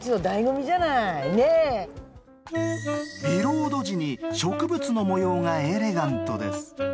ビロード地に植物の模様がエレガントです。